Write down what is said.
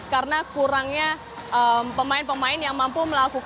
karena kurangnya pemain pemain yang memiliki kekuatan yang lebih besar